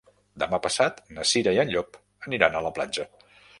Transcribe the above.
Demà passat na Cira i en Llop aniran a la platja.